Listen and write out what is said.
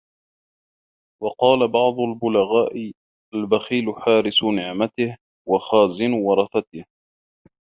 وَقَالَ بَعْضُ الْبُلَغَاءِ الْبَخِيلُ حَارِسُ نِعْمَتِهِ ، وَخَازِنُ وَرَثَتِهِ